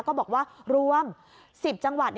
ก็บอกว่ารวม๑๐จังหวัด